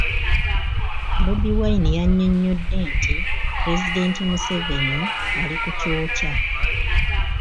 Bobi Wine yannyonnyodde nti Pulezidenti Museveni ali ku kyokya